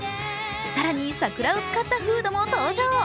更に、桜を使ったフードも登場。